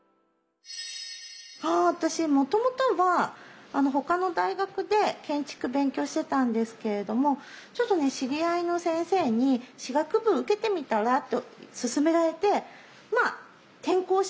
私もともとは他の大学で建築勉強してたんですけれどもちょっとね知り合いの先生に「歯学部受けてみたら？」と勧められてまあ転校した感じですね。